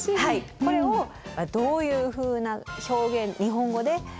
これをどういうふうな表現日本語で。